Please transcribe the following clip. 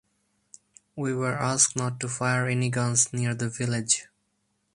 We were asked not to fire any guns near the village.